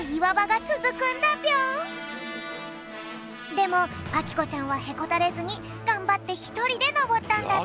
でもあきこちゃんはへこたれずにがんばってひとりでのぼったんだって。